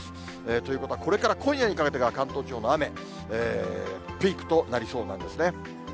ということは、これから今夜にかけてが関東地方の雨、ピークとなりそうなんですね。